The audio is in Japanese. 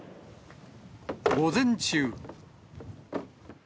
午前中。